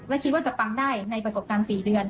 และคิดว่าจะปังได้ในประสบการณ์๔เดือน